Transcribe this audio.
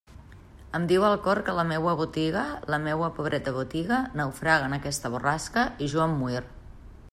Em diu el cor que la meua botiga, la meua pobreta botiga, naufraga en aquesta borrasca, i jo em muir.